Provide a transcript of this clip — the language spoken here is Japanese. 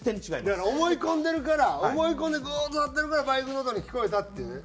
だから思い込んでるから思い込んでグーッとなってるからバイクの音に聞こえたっていうね。